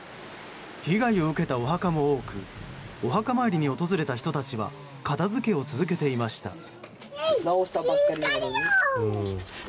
被害を受けたお墓も多くお墓参りに訪れた人たちは片づけを続けていました。